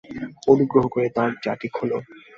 অনুগ্রহ করে দরজাটি খুলো!